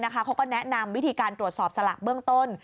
เขาก็แนะนำวิธีการตรวจสอบสลากเบื้องต้น